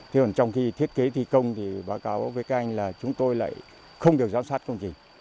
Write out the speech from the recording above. thế còn trong khi thiết kế thi công thì báo cáo với các anh là chúng tôi lại không được giám sát công trình